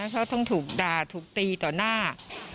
เขาต้องถูกด่าถูกตีต่อหน้า